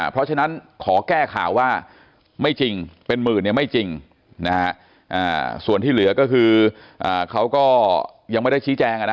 เพราะฉะนั้นขอแก้ข่าวว่าไม่จริงเป็นหมื่นเนี่ยไม่จริงส่วนที่เหลือก็คือเขาก็ยังไม่ได้ชี้แจง